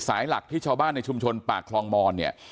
สายหลักที่ชาวบ้านในชุมชนปากคลองมอนเนี่ย